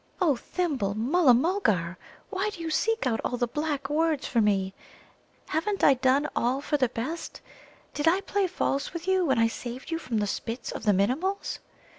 "O Thimble, Mulla mulgar, why do you seek out all the black words for me? Haven't I done all for the best? Did I play false with you when I saved you from the spits of the Minimuls?